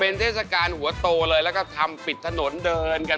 เป็นเทศกาลหัวโตเลยแล้วก็ทำปิดถนนเดินกัน